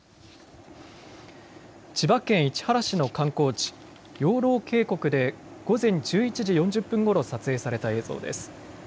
千葉県市原市の観光地、養老渓谷で午前１１時４０分ごろ撮影された映像です。